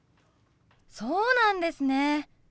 そうなんですね！